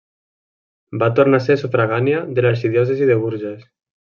Va tornar a ser sufragània de l'arxidiòcesi de Bourges.